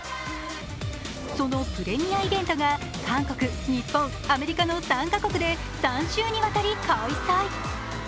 そのプレミアイベントが韓国、日本、アメリカの３カ国で３週にわたり開催。